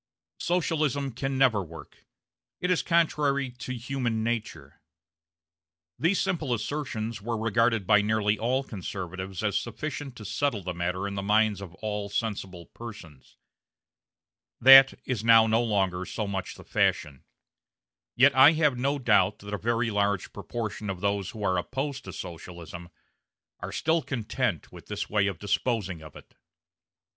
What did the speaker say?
Socialism can never work; it is contrary to human nature these simple assertions were regarded by nearly all conservatives as sufficient to settle the matter in the minds of all sensible persons That is now no longer so much the fashion; yet I have no doubt that a very large proportion of those who are opposed to Socialism are still content with this way of disposing of it.